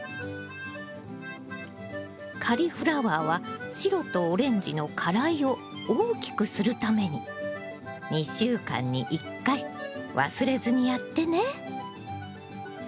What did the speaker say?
カリフラワーは白とオレンジの花蕾を大きくするために２週間に１回忘れずにやってね！